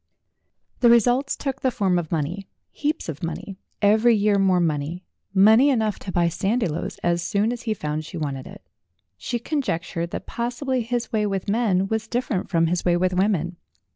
The results took the form of money heaps of money, every year more money money enough to buy Sandiloes as soon as he found she wanted it. She conjectured that possibly his way with men was dif ferent from his way with women.